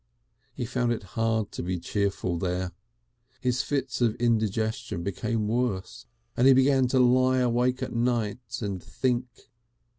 He found it hard to be cheerful there. His fits of indigestion became worse, and he began to lie awake at night and think.